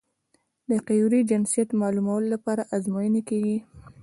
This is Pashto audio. د قیرو جنسیت معلومولو لپاره ازموینې کیږي